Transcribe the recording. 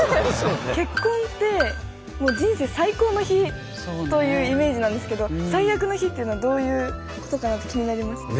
結婚ってもう人生最高の日というイメージなんですけど最悪の日っていうのはどういうことかなって気になります。